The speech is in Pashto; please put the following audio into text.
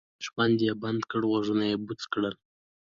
شخوند یې بند کړ غوږونه یې بوڅ کړل.